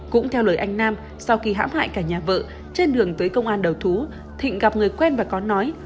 cũng theo lời anh nam sau khi hãm lại cả nhà vợ trên đường tới công an đầu thú thịnh gặp người quen và có nói